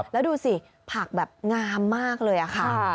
แล้วดูสิผักแบบงามมากเลยค่ะ